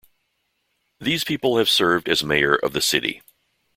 These people have served as mayor of the city.